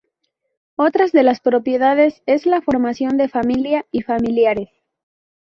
Otra de las prioridades es la formación de familia y familiares.